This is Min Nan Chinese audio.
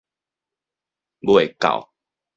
未到